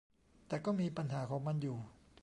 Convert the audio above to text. แต่ก็มีปัญหาของมันอยู่